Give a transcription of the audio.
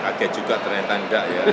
kaget juga ternyata enggak ya